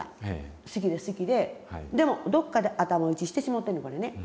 でもどっかで頭打ちしてしもうてんねんこれね。